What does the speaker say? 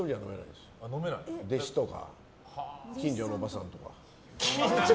弟子とか、近所のおばさんとか。